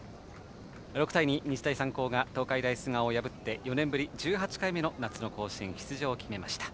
６対２、日大三高が東海大菅生を破って４年ぶり１８回目の夏の甲子園出場を決めました。